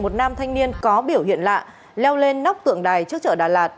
một nam thanh niên có biểu hiện lạ leo lên nóc tượng đài trước chợ đà lạt